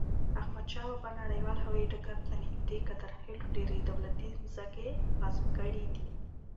احمدشاه بابا نړیوال هوایی ډګر ته نږدې قادرخیلو ډیري دولتی مځکي غصب کړي دي.